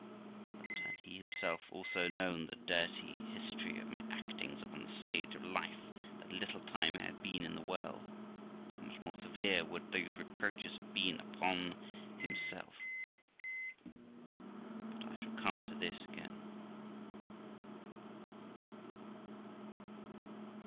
But, had he himself also known the dirty history of my actings upon the stage of life that little time I had been in the world, how much more severe would those reproaches have been upon himself! But I shall come to this again.